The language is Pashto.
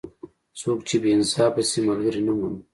څوک چې بې انصافه شي؛ ملګری نه مومي.